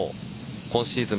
今シーズン